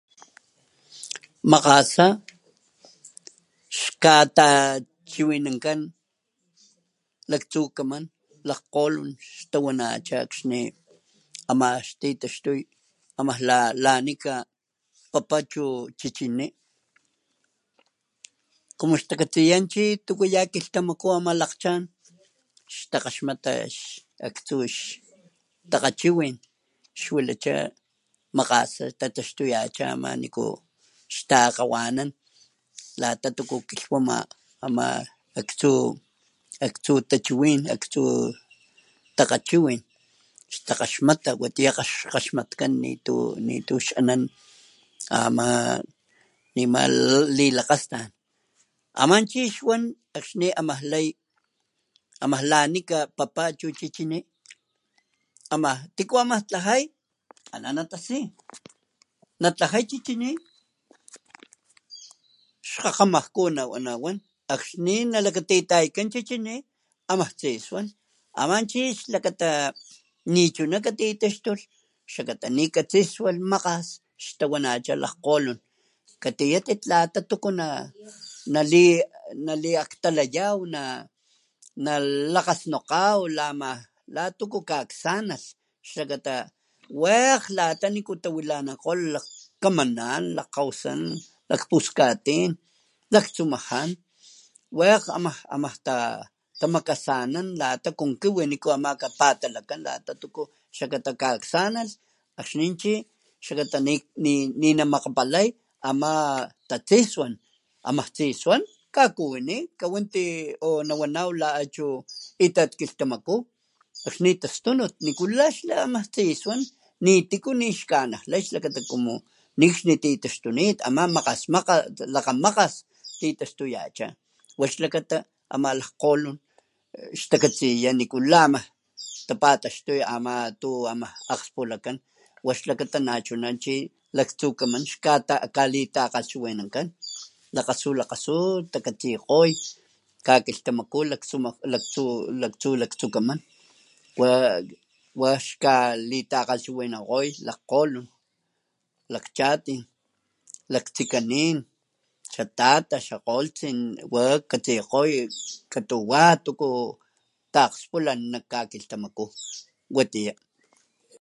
Makgasa xkatachiwinankan laktsukaman lakgolon xtawanacha akxni ama xtitaxtuy ama lanika xpapa chu chichini como xtakatsiya chi tuku ya kilhtamaku ama lakgchan xtakgaxmata aktsu xtakgachiwin xwalacha makgasa xtataxtuyacha ama niku xtakgawanan lata tuku kilhwama ama aktsu tachiwin aktsu takgachiwin xtakgaxmata watiya kgaxmatkan nitu anan ama lilakgastan ama chi xwan akxni amaj lay ama lanika papa chu chichini tiku ama tlajay ana natasi natlajay chcichcini xkgakgamajkunawan alxni nalakatitayakan chichini aman tsiswan ama xlakata nichu ama titaxtulh mat xlakata nikatsiswalh makgas xtawanacha lakgolon katiyatit lata naliaktalayaw nalakgasnokgaw lata ama kaaksanalh xlakata wakg lata niku tawilanakgolh lakgkgolon kamana lakgkgawasa lakpukatin laktsumajan wakg ama tamkasanan con kiwi niku ama patalakan lata tuku xakata kaaksanalh akxni chi nimakgapalay ama tasiswa amaj tsiswan kakuwini kawanti o nawanaw laachu itat kilhtamaku xlitastunut nikula tsiswan nitiku nixkanajlay como nikxni titaxtunit lakgamakfas titaxtunit taxtuyacha wax lakata ama lakgkgolon xtakatsiya nikula amaj tapataxtuy tuku ama akgspulakan wax la ama nachuna chi laktsukaman xkalitakgalhchiwinanakan lakgatsut takasikgoy kakilhtamaku laktsu wax la kalitachiwinkgoy lakgokgolon lakchatin laktsikanin xatata xatsolotsin katsikgoy katuwa taakgpulay nak kakilhtamaku watiya.